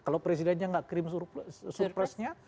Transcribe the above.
kalau presidennya nggak kirim suruh presnya